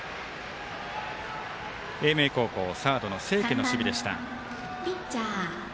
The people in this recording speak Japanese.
英明高校サードの清家の守備でした。